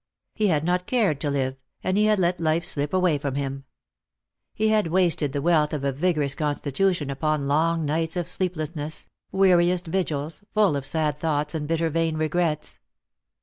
He had not cared to live, and he had let life slip away from him. He had wasted the wealth of a vigorous constitution upon long nights of sleeplessness ; weariest vigils, full of sad thoughts and bitter vain regrets.